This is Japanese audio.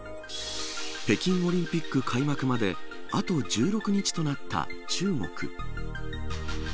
北京オリンピック開幕まであと１６日となった中国。